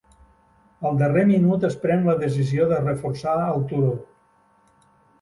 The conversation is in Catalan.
Al darrer minut es pren la decisió de reforçar el turó.